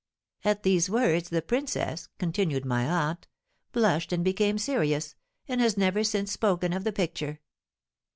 At these words the princess," continued my aunt, "blushed and became serious, and has never since spoken of the picture.